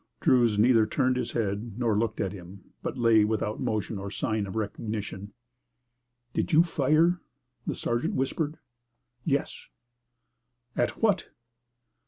Druse neither turned his head nor looked at him, but lay without motion or sign of recognition. "Did you fire?" the sergeant whispered. "Yes." "At what?"